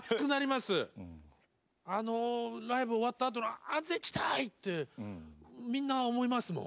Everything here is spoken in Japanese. あのライブ終わったあとの「安全地帯！」ってみんな思いますもん。